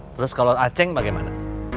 terus kalau aceng bagaimana